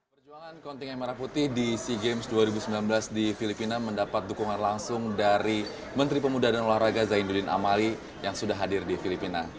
perjuangan kontingen merah putih di sea games dua ribu sembilan belas di filipina mendapat dukungan langsung dari menteri pemuda dan olahraga zainuddin amali yang sudah hadir di filipina